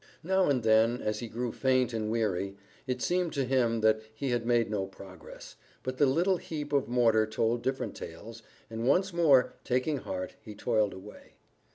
Now and then, as he grew faint and weary, it seemed to him that he had made no progress, but the little heap of mortar told different tales, and once more taking heart he toiled away.